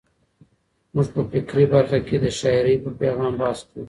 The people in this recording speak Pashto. موږ په فکري برخه کې د شاعر په پیغام بحث کوو.